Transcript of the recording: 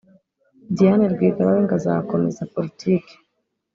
Dianne Rwigara we ngo azakomeza Politiki